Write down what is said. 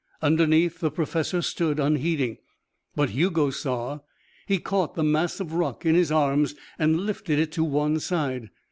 Underneath the professor stood, unheeding. But Hugo saw. He caught the mass of rock in his arms and lifted it to one side.